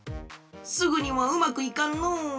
すぐにはうまくいかんの。